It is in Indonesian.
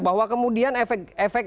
bahwa kemudian efek